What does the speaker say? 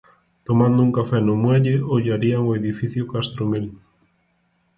Tomando un café no Muelle ollarían o edificio Castromil.